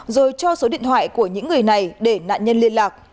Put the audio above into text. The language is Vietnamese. rồi cho số điện thoại của những người này để nạn nhân liên lạc